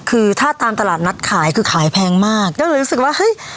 คือถ้าตามตลาดนัดขายคือขายแพงมากก็เลยรู้สึกว่าเฮ้ย